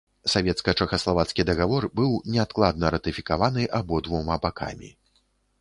Савецка-чэхаславацкі дагавор быў неадкладна ратыфікаваны абодвума бакамі.